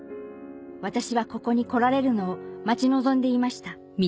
私はここに来られるのを待ち望んでいました